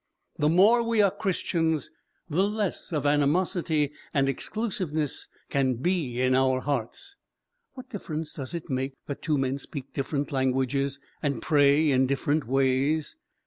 The more we are Christians, the less of animosity and exclusiveness can be in our hearts. What difference does it make that two men speak different languages and pray in different ways?